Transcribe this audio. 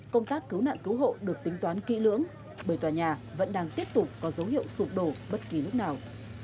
công tác cứu nạn cứu hộ được tính toán kỹ lưỡng bởi tòa nhà vẫn đang tiếp tục có dấu hiệu sụp đổ bất kỳ lúc nào